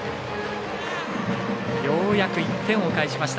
ようやく１点を返しました